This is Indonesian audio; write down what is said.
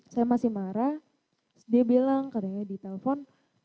saya masih marah dia bilang katanya di telpon